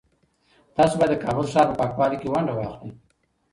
تاسو باید د کابل د ښار په پاکوالي کي ونډه واخلئ.